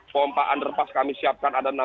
pompa underpass kami siapkan ada enam puluh tujuh